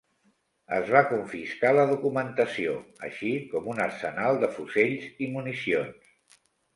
Es va confiscar la documentació, així com un arsenal de fusells i municions.